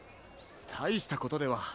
たいしたことでは。